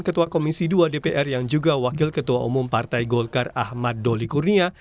ketua komisi dua dpr yang juga wakil ketua umum partai golkar ahmad doli kurnia